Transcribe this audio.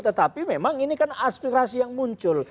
tetapi memang ini kan aspirasi yang muncul